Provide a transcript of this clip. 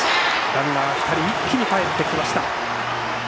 ランナー２人一気にかえってきました。